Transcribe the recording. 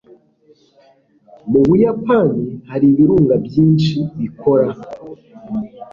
mu buyapani hari ibirunga byinshi bikora